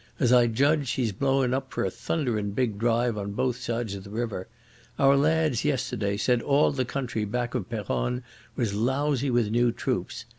As I judge, he's blowin' up for a thunderin' big drive on both sides of the river. Our lads yesterday said all the country back of Peronne was lousy with new troops.